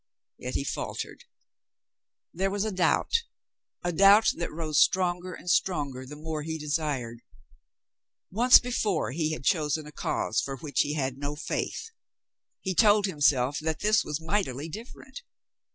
Yet he faltered. There was a doubt, a doubt that rose stronger and stronger the more he desired. Once before he had chosen a cause for which he had no faith. He told himself that this was mightily different.